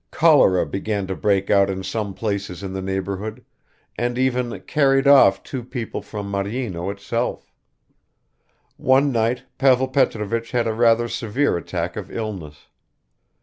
Cholera began to break out in some places in the neighborhood, and even "carried off" two people from Maryino itself. One night Pavel Petrovich had a rather severe attack of illness.